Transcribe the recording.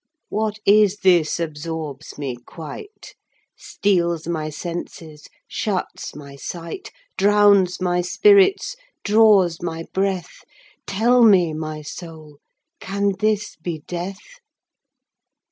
What is this absorbs me quite? Steals my senses, shuts my sight, 10 Drowns my spirits, draws my breath? Tell me, my soul, can this be death?